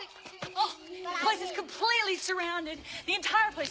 あっ！